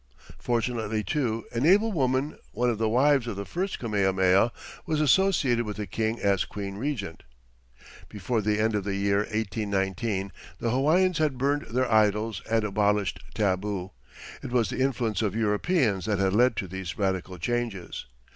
Fortunately, too, an able woman, one of the wives of the first Kamehameha, was associated with the King as Queen Regent. Before the end of the year 1819 the Hawaiians had burned their idols and abolished tabu. It was the influence of Europeans that had led to these radical changes.